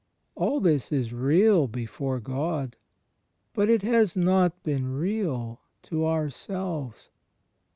All this is real, before God. But it has not been real to ourselves.